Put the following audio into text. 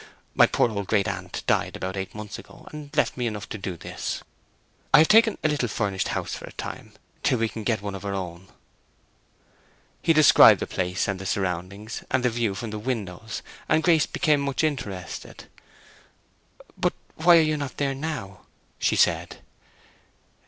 My poor old great aunt died about eight months ago, and left me enough to do this. I have taken a little furnished house for a time, till we can get one of our own." He described the place, and the surroundings, and the view from the windows, and Grace became much interested. "But why are you not there now?" she said.